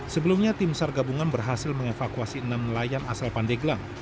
sebelumnya tim sargabungan berhasil mengevakuasi enam nelayan asal pandeglang